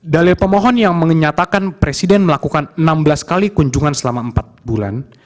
dalil pemohon yang menyatakan presiden melakukan enam belas kali kunjungan selama empat bulan